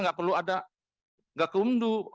gak perlu ada gakumdu